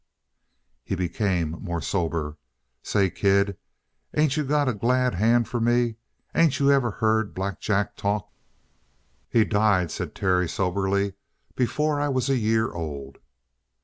He became more sober. "Say, kid, ain't you got a glad hand for me? Ain't you ever heard Black Jack talk?" "He died," said Terry soberly, "before I was a year old."